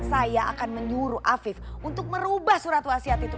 saya akan menyuruh afif untuk merubah surat wasiat itu